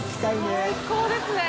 最高ですね！